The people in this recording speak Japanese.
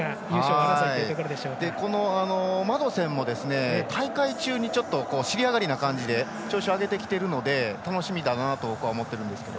このマドセンも大会中に尻上がりな感じで調子を上げてきているので楽しみだなと思ってるんですが。